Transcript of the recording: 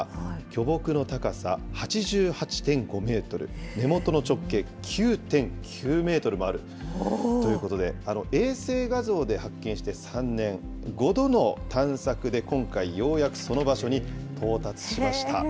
巨木の高さ８８．５メートル、根元の直径９．９メートルもあるということで、衛星画像で発見して３年、５度の探索で今回、ようやくその場所に到達しました。